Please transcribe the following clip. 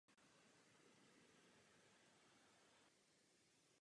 Orientačním průzkumem byla prokázána malířská výzdoba i v průjezdu brány.